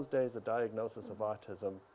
dan anda juga terbuka dengan otisme